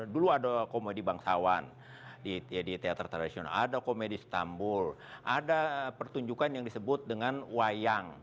dulu ada komedi bangsawan di teater tradisional ada komedi istanbul ada pertunjukan yang disebut dengan wayang